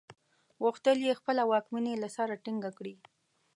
غوښتل یې خپله واکمني له سره ټینګه کړي.